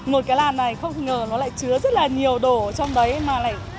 một cái làn này không ngờ nó lại chứa rất là nhiều đồ trong đấy mà lại